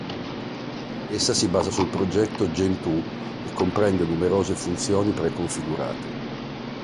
Essa si basa sul progetto Gentoo e comprende numerose funzioni pre-configurate.